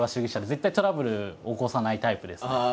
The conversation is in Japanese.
絶対トラブル起こさないタイプですね。